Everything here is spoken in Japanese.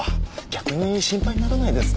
逆に心配にならないですか？